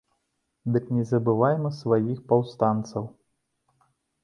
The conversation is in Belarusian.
Дык не забывайма сваіх паўстанцаў!